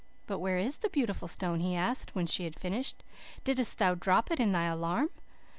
"'But where is the beautiful stone?' he asked, when she had finished. 'Didst thou drop it in thy alarm?